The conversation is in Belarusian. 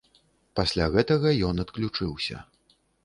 Пасля гэтага ён адключыўся.